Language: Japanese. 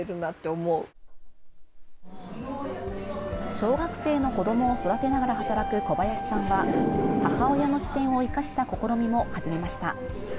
小学生の子どもを育てながら働く小林さんは母親の視点を生かした試みも始めました。